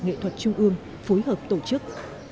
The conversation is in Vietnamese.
nghệ thuật trung ương phối hợp tổ chức